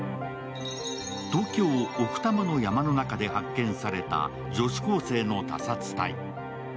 東京・奥多摩の山の中で発見された女子高生の他殺体。